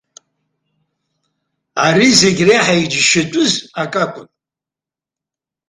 Ари зегь реиҳагьы иџьашьатәыз акакәын.